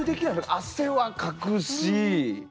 汗はかくし。